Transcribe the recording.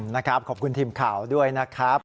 นะครับขอบคุณทีมข่าวด้วยนะครับ